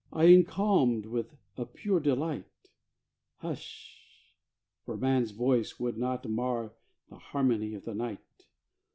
I am calmed with a pure delight. Hush! for man's voice would but mar The harmony of the night.